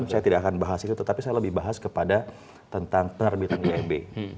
saya tidak akan bahas itu tetapi saya lebih bahas kepada tentang penerbitan imb